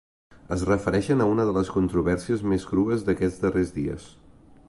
Es refereixen a una de les controvèrsies més crues d’aquests darrers dies.